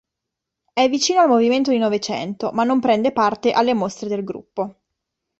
È vicino al movimento di Novecento, ma non prende parte alle mostre del gruppo.